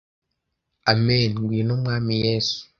amen ngwino mwami yesu